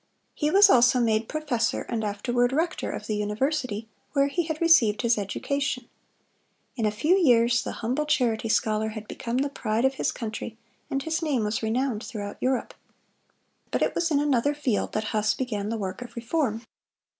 He was also made professor and afterward rector of the university where he had received his education. In a few years the humble charity scholar had become the pride of his country, and his name was renowned throughout Europe. But it was in another field that Huss began the work of reform.